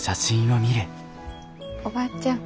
おばあちゃん